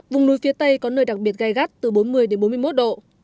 vùng núi phía tây có nơi đặc biệt gai gắt từ bốn mươi bốn mươi một độ